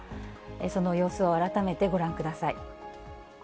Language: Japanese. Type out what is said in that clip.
その様子を改めてご覧ください。